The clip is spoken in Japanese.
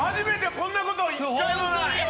こんなこと一回もない！